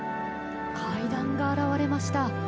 階段が現れました。